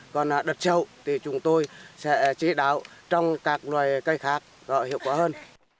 còn đợt sâu thì chúng tôi sẽ trị đáo trong các loài cây khác có hiệu quả hơn